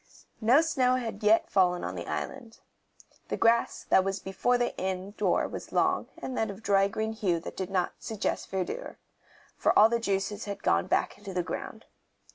No snow had as yet fallen on the islands. The grass that was before the inn door was long and of that dry green hue that did not suggest verdure, for all the juices had gone back into the ground.